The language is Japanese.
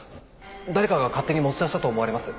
誰かが勝手に持ち出したと思われます。